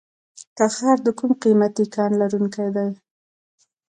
تخار د کوم قیمتي کان لرونکی دی؟